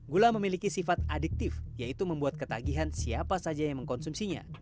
gula memiliki sifat adiktif yaitu membuat ketagihan siapa saja yang mengkonsumsinya